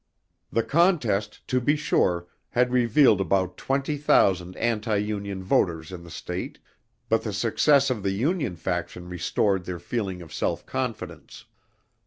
The contest, to be sure, had revealed about twenty thousand anti Union voters in the state, but the success of the Union faction restored their feeling of self confidence.